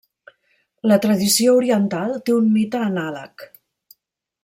La tradició oriental té un mite anàleg.